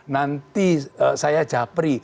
nanti saya japri